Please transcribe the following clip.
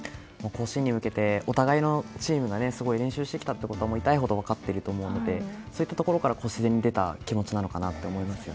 甲子園に向けてお互いのチームが練習してきたということは痛いほど分かっていると思うのでそういったところから自然に出た気持ちなのかなと思いました。